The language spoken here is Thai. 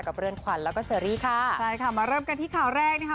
เรือนขวัญแล้วก็เชอรี่ค่ะใช่ค่ะมาเริ่มกันที่ข่าวแรกนะคะ